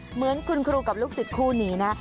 เหมือนคุณครูกับลูกศิษย์คู่นี้นะ